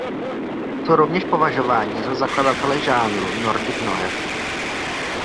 Jsou rovněž považováni za zakladatele žánru Nordic noir.